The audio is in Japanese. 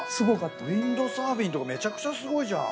ウインドサーフィンとかめちゃくちゃすごいじゃん。